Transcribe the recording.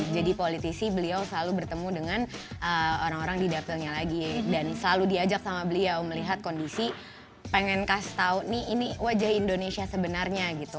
jadi politisi beliau selalu bertemu dengan orang orang di dapilnya lagi dan selalu diajak sama beliau melihat kondisi pengen kasih tau nih ini wajah indonesia sebenarnya gitu